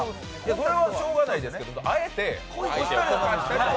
それはしょうがないですけど、あえて押したりしたら。